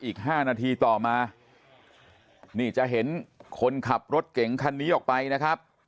อีก๕นาทีต่อมานี่จะเห็นคนขับรถเก๋งคันนี้ออกไปนะครับ